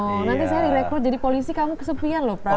nanti saya direkrut jadi polisi kamu kesepian loh prof